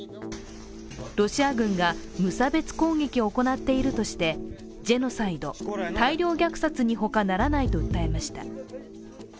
ロシア軍が無差別攻撃を行っているとしてジェノサイド＝大量虐殺に他ならないと訴えました。